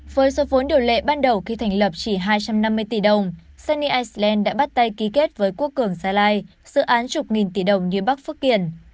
với số vốn điều lệ ban đầu khi thành lập chỉ hai trăm năm mươi tỷ đồng sunny iceland đã bắt tay ký kết với quốc cường gia lai dự án chục nghìn tỷ đồng như bắc phước kiển